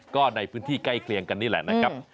ก็ในพื้นที่ใกล้เคียงกันนี่แหละนะครับ